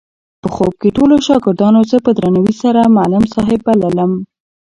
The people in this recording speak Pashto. په خوب کې ټولو شاګردانو زه په درناوي سره معلم صاحب بللم.